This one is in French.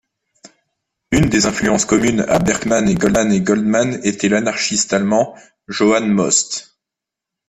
Une des influences communes à Berkman et Goldman était l'anarchiste allemand Johann Most.